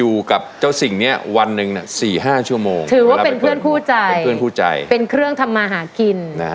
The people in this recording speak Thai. ถือว่าเป็นเพื่อนคู่ใจเป็นเครื่องทำมาหากิน